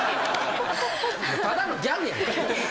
ただのギャルやん。